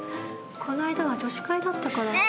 この間は女子会だったから。